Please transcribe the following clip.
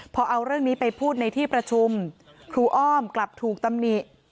พอเอาเรื่องนี้ไปพูดในที่ประชุมครูอ้อมกลับถูกตำหนิ